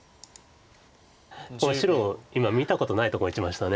この白今見たことないとこに打ちました。